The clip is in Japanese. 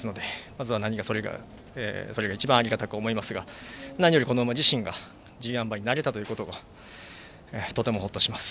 それが一番ありがたく思いますが何よりこの馬自身がＧＩ馬になれたということがとても、ほっとします。